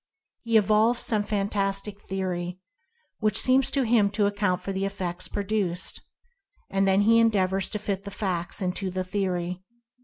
He evolves some fantastic theory, which seems to him to account for the effects pro duced, and then he endeavors to fit the facts into the theory.